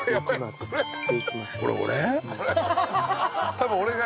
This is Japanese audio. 多分俺が。